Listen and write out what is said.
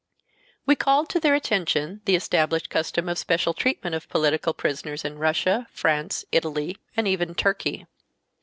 We called to their attention the established custom of special treatment of political prisoners in Russia, France, Italy and even Turkey.